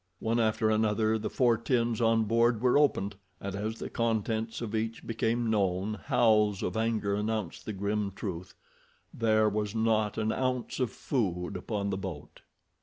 One after another the four tins on board were opened. And as the contents of each became known howls of anger announced the grim truth—there was not an ounce of food upon the boat.